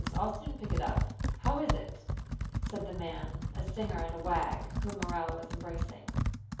I'll soon pick it up. How is it?" said the man—a singer and a wag—whom Morel was embracing.